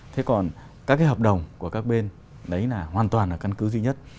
thế còn các cái hợp đồng của các bên đấy là hoàn toàn là căn cứ duy nhất